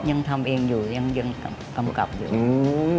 ยังทำเองอยู่ยังยังกำกับอยู่อืม